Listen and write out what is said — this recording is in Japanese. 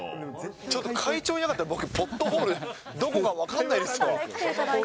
ちょっと会長いなかったらポットホール、どこか分かんないです。